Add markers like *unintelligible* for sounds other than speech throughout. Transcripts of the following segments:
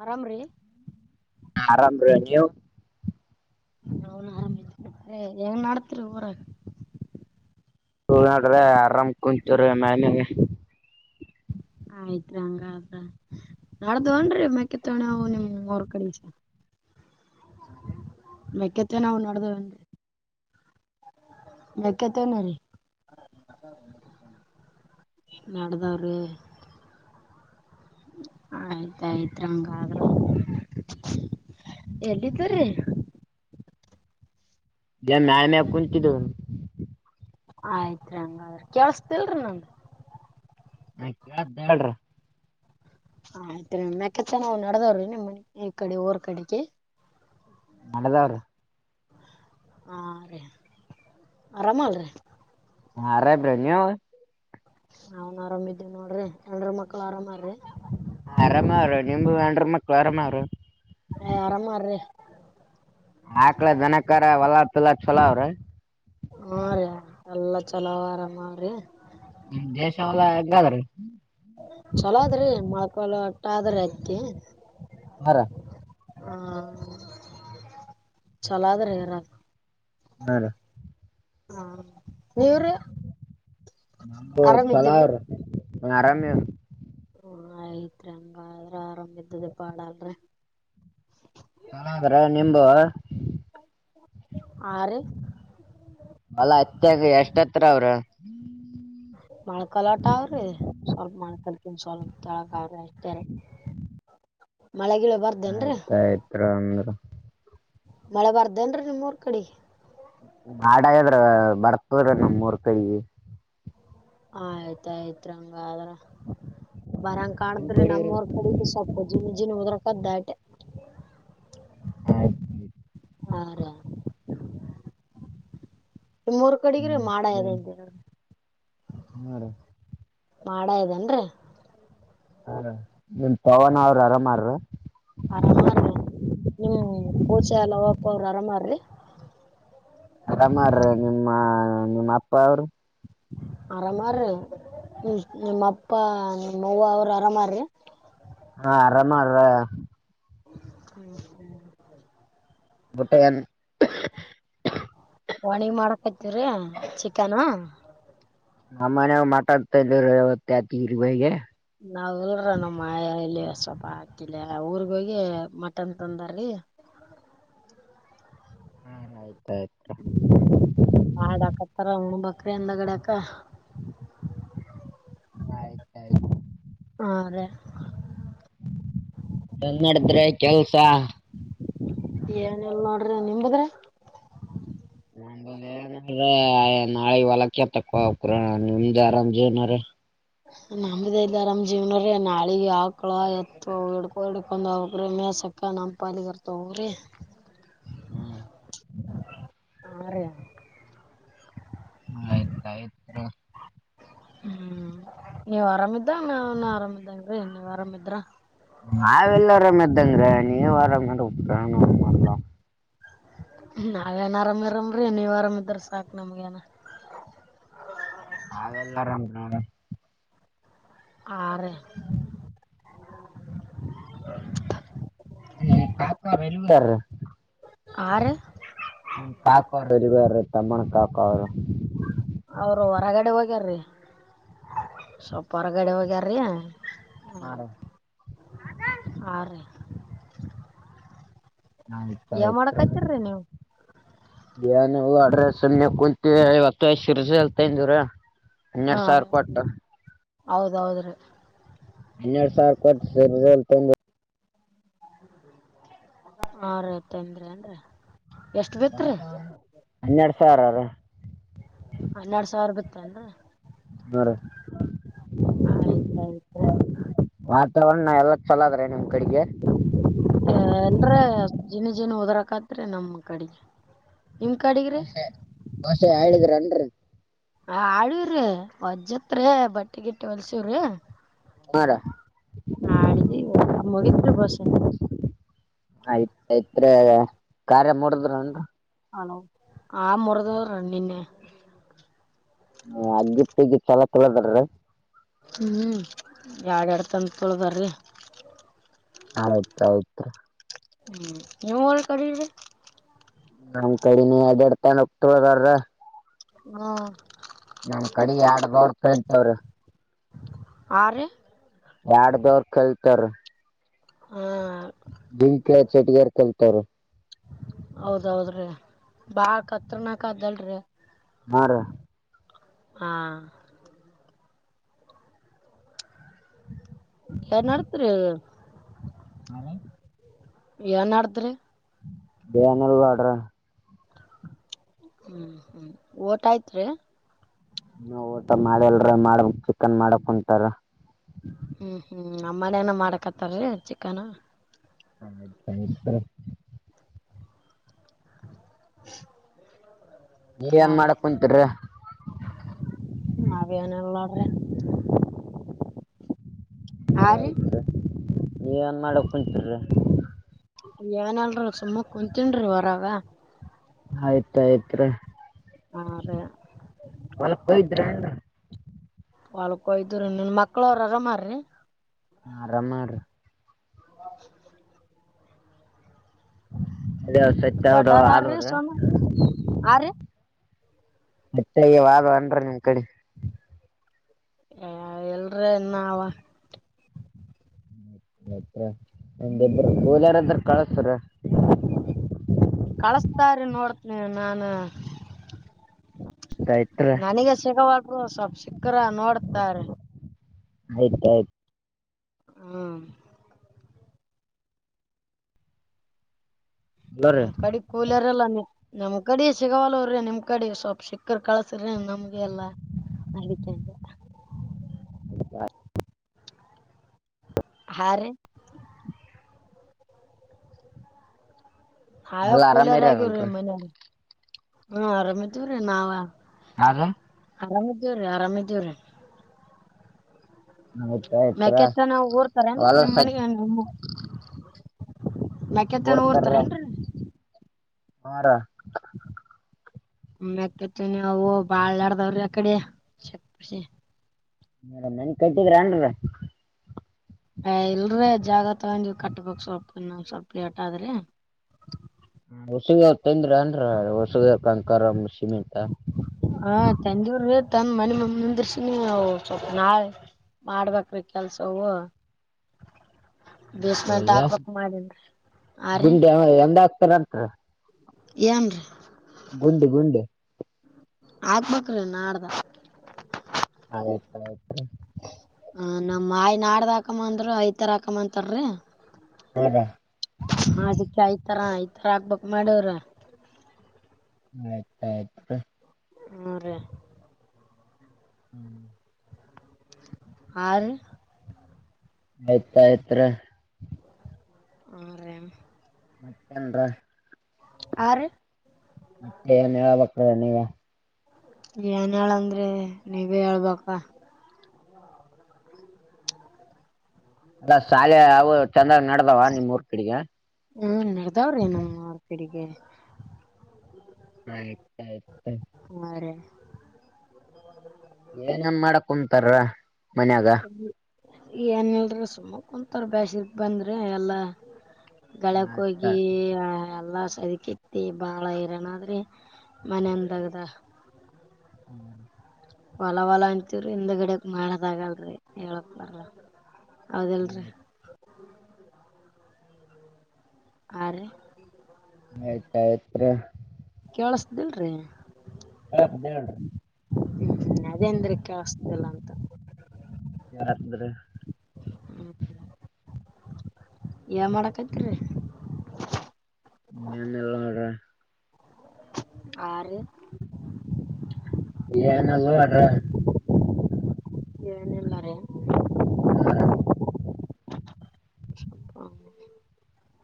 ಆರಾಮ ರ ಹವು ಅವನು ಆರಾಮ ಹೆಂಗ ನತ್ರರು ಊರ ನಡ್ರೆ ಆರಾಮ್ ಕುಂತರ ಮನೆ ಆಯ್ತ್ರಿ ಹಂಗ್ರ ನಾಡ್ದ ಅಲೆದುನ್ರಿ ಮಕ್ಕೆ ತಣೆವು ನಿಮ್ ಹೊರ್ ಕಡೆ ಇಷ್ಟ ಮೇಕತ್ತ ನಾವು ನೋಡ್ದೇಂದು ಕ್ಕತೇನ ರೀ *inaudible* ನಡ್ದಾರಿ ಆಯ್ತಾಯ್ತ್ಂಗಾದ್ರ ಎಲ್ಲಿದ್ದೀರಿ ಜ ಮೇಲೆ ಕುಂಚಿದ್ದ ಆಯ್ತ್ರಿ ಹಂಗಾದಿ ಕೇಸತಿಲ್ರಿ ನಂಗ ಹಾ ಕೇಳ್ದ ಹೇಳ್ರ ಹ ಆಯ್ತ್ ಮೆಕಚನ ನವು ನಡದವ್ರೀ ನಿಮ್ಮ್ ಮನೆ ಈ ಕಡೆ ಊರ್ ಕಡೆಗೆ ನಡೆದವ್ರಿ ಹಾ ರೀ ಆರಾಮ ಅಲ್ರಿ ಹ ಆರಾಮ್ ರಿ ನೀವು ನಾವನ್ ಆರಾಮ್ ಇದಿದ್ದೇವಿ ನೋಡ್ರಿ ಎಂಡರ ಮಕ್ಳು ಆರಾಮ ಆ ಆರಾಮ ಅವ್ರು ನಿಮು ಎಂಡ್ರ ಮಕ್ಕಳು ಆರಾಮ ಅವ್ರು ಹ ಆರಂ ಅವರು ಆಕ್ಳ ದನಕರಾ ಹೊಲಾ ಫಿಲಾ ಚಲೋ ಅವರಿ ಹಾ ರೀ ಎಲ್ಲಾ ಚಲೋ ಅವ ಅಮ್ಮೊವ್ರಿ ಹ್ಮ ದೇಶ ಎಲ್ಲಾ ಹೆಗ್ಗಾದ್ರೀ ಚಲೋ ಅದ್ರಿ ಮಕ್ಕಳ ಅಟ್ಟ ಆದ್ರ ಅತಿ ಹರ ಹಾ ಚಲಾದ್ರೆ ಯಾರ ಹಾ ರ ಹಾ ನೀವರು ನಮ್ದು ಚಲ ಅವ್ರ ಒ ಆರಾಮೇ ಹ ಆಯ್ತ್ರಿ ಹಂಗಾದ್ರ ಆರಾಮ ಇದ್ದದೆ ಬಾಳ ಅಲ್ರಿ ಚೆನ್ನಾಗಿದ್ದೀರಾ ನಿಮ್ದು ಹಾ ರೀ ಅಲ್ಲಾ ಅತ್ಯಗ ಎಷ್ಟತ್ರ ಅವ್ರ ಮೊಳಕಾಲೋಟ ಅವ್ರಿ ಸ್ವಲ್ಪ ಮಳಕಲ್ ಒಂದ ಸ್ವಲ್ಪ ತಳಗ ಅವ ರಿ ಅಸ್ಟೇ ರಿ ಮಳೆ ಗಿಳೆ ಬರದಏನ್ರಿ ಆಯ್ತ್ರ ಅಂದ್ರ ಮಳೆ ಬರ್ದೇನ್ರೀ ನಿಮ್ಮೂರ್ ಕಡಿ ಮಾಡ್ ಆಗ್ಯದ ರಿ ಬರ್ತದ್ರ ನಮ್ಮ ಊರ್ ಕಡಿ ಆಯ್ತಾಯ್ತು ರಿ ಹಾಗಾದ್ರ ಬರಾಂಗ ನಿಮ್ ಕಾನತ್ರಿ ಕಡೆ ನಮ್ಮೂರು ಕಡಿಗಿ ಸ್ವಲ್ಪ ಜಿನಜಿನ ಉದ್ರ ಹೊಗೆತ ದಾಟಿ ಆರಿ ನಿಮ್ಮೂರು ಕಡಿಗ ರೀ ಮಾಡ ಆಗ್ಯದ ಏನೋ ಹ್ಮ ರಿ ಮಾಡಾ ಆಗಿಡೆನ್ರಿ ಹ ನಿಮ್ ಪವನ ಅವ್ರ ಅರಾಮಹಾರಿ ಆರಾಮಾರೀ ನಿಮ ಕೂಚ ಎಲ್ಲವಕ್ಕ ಅವ್ರ ಆರಾಮಾರೀ ಅರಾಮರಿ ನಿಮ್ಮ ನಿಮ್ಮ ಅಪ್ಪ ಅವರು ಆರಾಮರಿ ನಿಮ್ಮಪ್ಪ ನಿಮ್ಮವ ಅವರು ಅರಾಮಾರಿ ಹಾ ಆರಾಮರ *unintelligible* ಊಟ ಏನ್ ಒಣಿಗ ಮಾಡಕತಿವ್ರೀ ಚಿಕನ್ ನಮ್ಮನೆಗೂ ಮಟನ್ ತಂಡೀವ್ರಿ ಯವತ್ತ *unintelligible* ನಾವಲ್ರ ನಮ್ಮ ಇಲ್ಲಿ ಸ್ವಲ್ಪ ಹಾಕಿಲ್ಲ ಊರ್ಗ ಹೋಗಿ ಮಟನ್ ತಂದಾರಿ *unintelligible* ಹಾ ಆಯ್ತಾಯಯ್ತು ಹ್ಮ್ ಮಾಡಾಕತ್ತರ ಉಣಬೇಕ್ ಕ್ರ ಹಿಂದಗಡ್ಯಾಕ ಆಯ್ತ ಆಯ್ತು ಹಾ ರಿ ಹೆಂಗ್ ನಡದ್ರೆ ಕೆಲ್ಸ ಏನಿಲ್ ನೋಡ್ರಿ ನಿಂಬದ ರಿ ನಮ್ದ್ ಏನ ನಾಳೆ ಹೊಲಕ ಕೆತ್ತಕ್ ಹೋಗ್ಬೇಕ್ರೆ ನಿಮ್ದ್ ಆರಾಮ ಜೀವನರಿ ನಮ್ದ ಎಲ್ಲಿ ಆರಾಮ್ ಜೀವನ ರಿ ನಾಳಿಗೆ ಆಕ್ಳ ಎತ್ತು ಹಿಡ್ಕೋ ಹಿಡ್ಕೊಂಡ ಹೋಗ್ಬೇಕ್ರಿ ಸಕ್ಕ ನಮ್ಮ ಪಾಲಿಗರ್ ತಗೋಗ್ರಿ ಹೂ ರಿ ಹಾರಿ ಆಯ್ತ ಆಯ್ತ ತೊಗೊ ಹ್ಮ್ ನೀವ್ ಆರಾಮಿದಗ ನಾವ ಆರಾಮಿದಂಗ್ರೀ ನೀವ್ ಆರಾಮಿದ್ರ ನಾವೆಲ್ಲ ಆರಾಮ್ದಂಗ್ರ ನೀವು ಆರಾಮಿರ್ಬೆಕ್ ಮೊದ್ಲ ನಾವೇನ್ ಆರಾಮಿರಾಮ್ರೀ ನೀವ್ ಆರಾಮಿದ್ರ ಸಾಕು ನಮ್ಗೆೇನ ಹ ಅಲ್ಲ ಆರಾಮ ನೋಡ್ ಆ *unintelligible* ಆ ರೀ ಕಾಕೋನ್ಡ ಅರಿವಾಯಾರ್ರೀ ತಮಣ ಕಾ ಪಾ ಅವ್ರ್ ಅವರು ಹೊರಗಡೆ ಹೋಗ್ಯಾರ್ರೀ ಸ್ವಪ ಹೊರಗಡೆ ಹೋಗ್ಯಾರೀ ಹಾ ರಿ ಆ ರಿ *unintelligible* ನೀವು ಏನ್ ಇಲ್ರಿ ನ ಸುಮ್ಮನೆ ಕುಂತೇವಿ ಇವತ್ತು ಶಿರ್ಸಿಲ ತಾಂದೇವ್ರಿ ಹನ್ನೆರಡು ಸಾವಿರ ಕೊಟ್ಟು ಹೌದೌದ್ರೀ ಹನ್ನೆರಡ್ ಸಾವಿರ ಕೊಟ್ಟು ಸಿರಿದೇವ್ರ್ ತಂದ್ ಹಾ ರಿ ತಂದ್ರೆನ್ರಿ ವಾತಾವರಣ ಹನ್ನೆರಡ್ ಸಾವಿರ ಹನ್ನೆರಡ್ ಸಾವಿರ ಬಿತ್ತ ಏನ್ರಿ ಹಾ ರೀ ಆಯ್ತಯ್ತು ರೀ ವಾತಾವರಣ ಎಲ್ಲ ಚೊಲೋದ್ರ ನಿಮ್ ಕಡೆಗೆ ಎಲ್ರ ಜೀನು ಜೀನು ಉದರಕತ್ರಿ ನಮ್ಮ್ ಕಡೆಗೆ ನಿಮ್ ಕಡೆಗ್ರಿ ಬಸೆ ಬಸೆ ಹೇಳಿದ್ರ ಅನ್ರಿೀ ಆ ಆಳ್ರಿ ವಜ್ಜತ್ರಿ ಬಟ್ಟೆಗಿಟ್ಟ ಹೊಲ್ಸವ್ರಿ ಹಾರಿ ಹ ಅಡಿದ ಮುಗತ್ೀ ಬಸೆ ಅ್ರೆ ಕಾರ್ಯ ಮೂಡಿದ್ರು ನನ್ರು ಹಲ ಆ ಮುರದುವ್ರಿ ನಿನ್ನೆ ಹ ಅಗ್ಗಿ ತಗಿ ಚೊಲೋ ಕಳದಾರ ಹ್ಮ್ ಎರಡೆರಡು ತಂದ್ ತೊಳ್ದಾರಿ ಹೌದ ಹೌತ್ರ ಹ್ಮ್ ನೀಮ್ಮೋವ್ರ ಕಡೆ್ರಿ ನಮ್ ಕಡನಿ ಅದೆಡ್ ತಾನ ಹೋಗ್ತವದಾರ್ರ ಹ್ಮ ನಮ್ ಕಡೆ ಎಡ್ದವರ್ತಂತವರು ಆರೀ ಎರಾಡ್ ದೇವ್ರ್ ಕಲಿತರ್ರಿ ಹಾ ದಂಕ ಚೆಟಗಾರ್ ಕಲ್ತಾರ ಹೌದೌದ್ರಿ ಬಾ ಕತ್ನಾಕ್ದಲ್ರಿ ಹ ಹ ಹ ಏನ್ ಮಾಡಡ್ದ್ರಿ ಬೇ ನಲ್ ಬಡ್ರ ಹ್ಮ್ ಹ್ಮ್ ಓಟ ಆಯ್ತ್ೀ ನ ಊಟ ಮಾಡಲ್ರ ಮಾಡ ಚಿಕನ್ ಮಾಡಕ್ ಕುಂತಾರ ಹ್ಮ್ ಹ್ಮ್ ನಮ್ಮನೇನ ಮಾಡಕತ್ತಾರರಿ ಚಿಕ್ಕನ ಹಾ ಇ ಇತ್ತ *inaudible* ನೀರಿ ಏನ್ ಮಾಡಕ್ ಕುಂತರಿ ಹಾಗೇಾನಳ್ಳ್ರೆ ಹರ ಆಯ್ತ ನೀನ್ ಮಾಡೋ ಕುಂತರೀ ಯಏನಲ್ರ ಸುಮ್ಮ ಕುಂತಿನ್ರು ವರಾಗ ಆಯ್ತಾಯ್ತ್ ಹಾ ರೀ ಮಲ್ಲ ಕೈ ದ ಒಾಲ್ಕೋಯ್ದ್ರ ನಿನ್ ಮಕ್ಳ ಅವರು ಅರಾಮಾರ್ರೀ ಆರಾಮಾರ ಅದೇ ಸಚ್ ಹಾವದ ದೊಡ್ಡೋರಾರ್ರಿ ಆದವ್ರ ಸೋನು ಆ ರೀ? ಮತ್ತ ವಾಗ ಅನ್ರ ನಿಮ್ ಕಡೆ ಎಲ್ರ ಇನ್ ಹತ್ರ ಒಂದೆಬ್ರು ಗೋಲ್ ಯಾರಾದ್ರ ಕಳತ್ರ ಕಳಸ್ತಾರೀ ನೋಡ್ತನಿ ನಾನ ಆಯ್ತ್ರ ನನಗ ಸಿಗವಾದರು ಸ್ವಲ್ಪ ಸಿಕ್ಕರ ನೋಡ್ತಾರೆ ಆಯ್ತಾಯ್ತು ಹ್ಮ ಎಲ್ಲರಿ ಹ್ಮ ಕಡೆ ಕೂಲರ್ಲ್ಲ ನೀ ನಮ್ ಕಡ ಚಗವಾಾಲ ಅವ್ರಿ ನಿಮ್ ಕಡೆ ಸ್ವಲ್ಪ್ ಸಿಕ್ಕರ್ ಕಳಸ್ರಿ ನಮ್ಗೆ ಎಲ್ಲಾ ಅದಕ್ಕೆ ಹ ಹ ಹಾವ ಎಲ್ಲ ಕೂಲರ್ ಆಗ್ಯವ್ರೀ ಆರಾಮಿರಲ್ರಿ ಮನ ಹ ಆರಾಮಿದವ್ರೀ ನಾವ ಹ ಆರಾಮಿದ್ದೇವ್ರೀ ಆರಾಮಿದೇವ್ರೀ ಆಯ್ತಾಯ್ತ್ರ ಮ್ಯಾಕೆತ್ತ ನಾವು ಊರ್ತಾರೆ ಹೊಲ ನಿಮ್ಮ್ ಸತ್ ಮನೆಗೆ ಬಡ್ತಾರ ಹಾರ ಆಮ್ಮ್ಯತ ಅ ಬಾಳ್ಾಡದಾವ್ರೀ ಅಕಡೆ ಚಕ್ಸಿ ಹ ನನ್ ಕತಿದ್ರ ಅನ್ ಅ ಇಲ್ರ ಜಾಗ ತಗೊಂಡಿ ಕಟ್ಬೇಕಕ್ ಸ್ವಲ್ಪ ನ ಸ್ವಲ್ಪ್ ಏಟ್ ಆದ್ರಿ ಹೊಸು ತಂದ್ರ ಅನ್ ಹೊಸಗಕಕರ ಹಾ ತಂದೂರು ತಂದ ಮನೆಿ ಮ ಮುಂದಿರ್ಸಿನವು ಸ್ವಲ್ಪ ನಾಳೆ ಮಾಡ್ಬೇಕ್ರಿ ಕೆಲ್ಸವು ಬೇಸ್ಮೆಂಟ್ ಎಸ್ ಹಾಕ್ವಕ್ ಮಾಡನ್ರಿ ಆ ರೀ ಹಾ ಏನ್ ಗುಂಡ ಗುಂಡ ಆಗ್ಬೇಕಕ್್ರಿ ನ ಆಡ್ದ ಆಯ್ತ ಆಯ್ತು ಹ ನಮ್ ಮಾಯಿ ನಾಡ್ದ ಹಾಕಮ್ಮ ಅಂದ್ರರು ಐತರ ಹಾಕಮ್ಮ ಅಂತಾರರಿ ಹೌದಾ ರಾಕ್ಬೇಕಕ್ ಮಾಡವ್ರ ಆಯ್ತ ಆಯತ ಹ್ಮ ರ ಹ್ಮ್ ಆರು ಆಯ್ತ್ ಆಯ್ತ್ ಆ ಮತ್ತಂತ ಆ ಮತ್ತೆ ಏನ್ ಹೇಳಬಕ್ತದಾನ ಈಗ ಏನ್ ಹೇಳಂದ್ರೆ ನೀವೇ ಹೇಳ್ಬೇಕ ಅದ ಶಾಲೆ ಅವು ಚಂದಾಗ ನಡದಾವ ನಿಮ ಊರ್ ಕಡೆಗೆ ಹ್ಮ ನಡದಾವ್ರಿೇಏ್ ಆಯ್ತ ಆಯ್ತು *unintelligible* *inaudible* ಏನನ್ ಮಾಡಕ್ ಕುಂತಾರ ಮನ್ಯಾಗ ಏನಲ್ರ ಸುಮ್ಮ ಕುಂತಾರ ಬ್ಯಾಸರ್ ಬಂದ್ರೆ ಎಲ್ಲ ಗೆಳಕ್ ಆಯ್ತ ಹೋಗಿ ಎಲ್ಲಾ ಅದಕಿತ್ತ ಬಾಳ ಇರಣಾದ್ರೆ ಮನಂದಗದ ಹ್ಮ್ ಹೊಲ ಹೊಲ ಅಂತವ್ರಿ ಹಿಂದ ಗಿಡಕ್ ಮಾಡದ ಆಗಲ್ರರಿ ಹೇಳಕ್ ಬರ್ಲ್ಲ ಅೌದೆಲ್ರಿ ಆ ಆಯ್ತಯತ್ರೀ *unintelligible* ಕೇಳಸ್ದಿಲ್ರಿ *unintelligible* ಅದೆೇಂದ್ರ ಕೆಲ್ಸ್ತಲ್ಲ ಅಂತ ಯಾರಂದ್ರೆ *unintelligible* ಹ್ಮ್ ಏನ್ ಮಾಡಕ್ತಿರಿ *unintelligible* ಏನೆಲ್ಲ *unintelligible* ಆ ರೀ *unintelligible* ಏನಿಲ್ಲ *unintelligible* ಏನಿಲ್ಲ ರೀ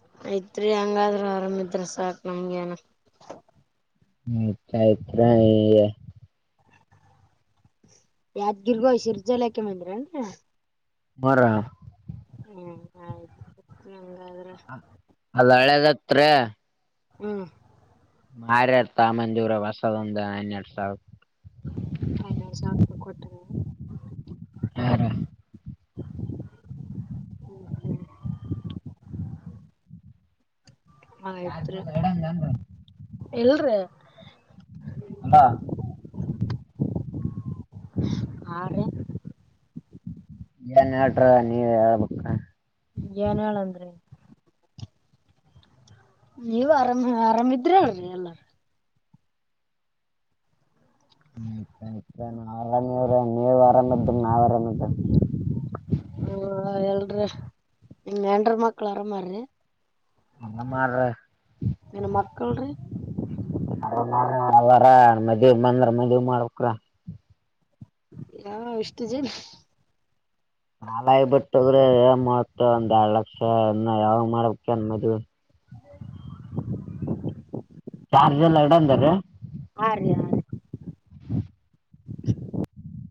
*unintelligible* ಯ್ತ್ರಿ ಹಂಗಾದ್ರೂ ಆರಾಮಿದ್ರ ಸಾಕ್ ನಮ್ಗೇನ *unintelligible* *unintelligible* ಹೂ ಆಯ್ತ *unintelligible* ಯಾದ್ಗಿರ್ಗೋ ಶಿರ್ಜಾಲಾಖ ಮಂದಿರ ಅನ್ *unintelligible* ಮರ ಹ್ಮ್ ಆಯ್ತು ಹಂಗಾದ್ರ ಅಲ್ಲಳೆದತ್ರ ಹ್ಮ್ ಮಾರ *unintelligible* ಎಡ್ತಮ್ಮಂದೂರ *unintelligible* ವಸದಂದ ಅ ಹಣೆರ್ಡ್ದ್ದು ಸಾವಿರ ಐನೂರು ಸಾವಿರ ರೂಪಾಯಿ ಕೊಟ್ಟರೇ *unintelligible* ಹ *unintelligible* *unintelligible* *inaudible* ಆಯ್ತ್ರಿ ಎಲ್ರಿ *unintelligible* ಹಲ್ಲೋ *inaudible* ಆ ರೀ ಏನ್ ಎಳ್ರೆ ನೀವೆ ಹೇಳ್ಬೇಕ ಏನ್ ಹೇಳಂದ್ರಿ ನೀವ ಆರಾಮ್ ಆರಾಮಿದ್ರಿ ಅರಿ *unintelligible* ಎಲ್ಲಾರ ಹೂ ಹೂ *unintelligible* ನೀವು ಅರಾಮ್ ಇದ್ರಿ ನಾವು ಅರಾಮ್ ಎದ್ಕಟ್ *unintelligible* *unintelligible* ನಿನ್ ಎಂಡ್ರು ಮಕ್ಕಳ ಅರಮ್ ಅವ್ರಿ *unintelligible* *inaudible* *unintelligible* ನಿನ್ ಮಕ್ಕಳ್ರಿ ನವಾರ ಮದ್ವೆ ಬಂದ್ರ ಮದ್ ಮಾಡ್ಕರ *unintelligible* ಯಾ ಇಷ್ಟು ಜನ *unintelligible* *unintelligible* ಶಾಲಯ ಬಿಟ್ಟೋಗ್ರ ಮವತ್ತ ಒಂದ್ ಎರಡ್ ಲಕ್ಷ ಇ ಯಾವಾಗ್ ಮಾಡ್ಬೇಕ ಮದ್ವೆ *unintelligible* *inaudible* ಚಾರ್ಜ್ ಎಲ್ಲ ಎಡ ಹಾ *unintelligible* ರೀ ಹಾ *inaudible* *inaudible*